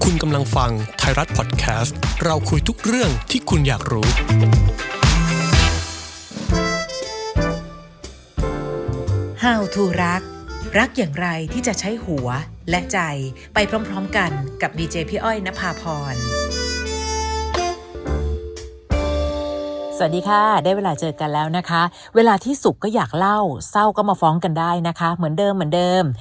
สวัสดีค่ะได้เวลาเจอกันแล้วนะคะเวลาที่สุขก็อยากเล่าเศร้าก็มาฟ้องกันได้นะคะเหมือนเดิมเหมือนเดิม